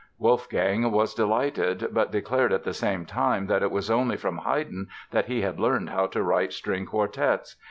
Wolfgang was delighted, but declared at the same time that it was only from Haydn that he had learned how to write string quartets.